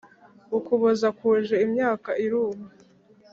ukuboza kuje imyaka iruma